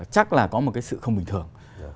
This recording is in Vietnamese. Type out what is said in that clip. chắc là có một cái sự không bình thường